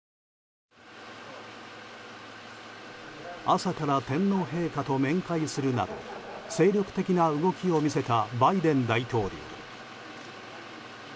朝から天皇陛下と面会するなど精力的な動きを見せたバイデン大統領。